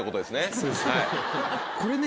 そうですこれね。